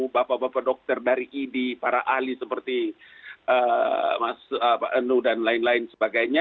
bapak bapak dokter dari idi para ahli seperti mas nu dan lain lain sebagainya